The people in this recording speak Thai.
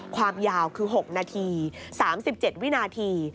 ความยาวคือ๖นาที๓๗วินาที